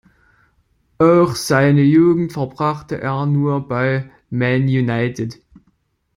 Auch seine Jugend verbrachte er nur bei "Man United".